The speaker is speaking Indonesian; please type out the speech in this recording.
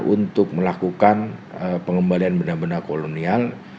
untuk melakukan pengembalian benda benda kolonial